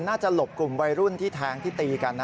หลบกลุ่มวัยรุ่นที่แทงที่ตีกัน